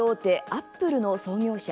アップルの創業者